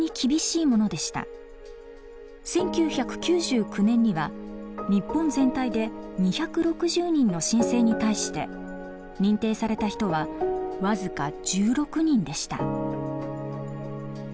１９９９年には日本全体で２６０人の申請に対して認定された人は僅か１６人でした。